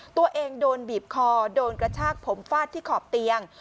ตัวเองโดนบีบคอโดนกระชากผมฟาดที่ขอบเตียง